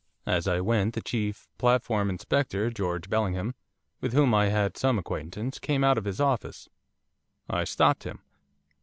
As I went, the chief platform inspector, George Bellingham, with whom I had some acquaintance, came out of his office. I stopped him.